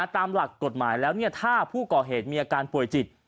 ตามหลักกฎหมายแล้วถ้าผู้ก่อเหตุมีอาการป่วยจิต